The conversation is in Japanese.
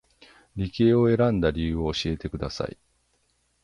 理系を選んだ理由を教えてください